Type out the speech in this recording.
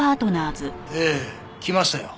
ええ。来ましたよ。